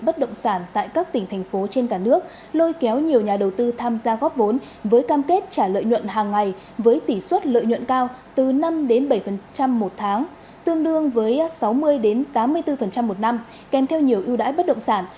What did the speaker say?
bất động sản tại các tỉnh thành phố trên cả nước lôi kéo nhiều nhà đầu tư tham gia góp vốn với cam kết trả lợi nhuận hàng ngày với tỷ suất lợi nhuận cao từ năm bảy một tháng tương đương với sáu mươi tám mươi bốn một năm kèm theo nhiều ưu đãi bất động sản